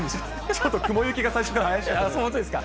ちょっと雲行きが最初から怪そうですか。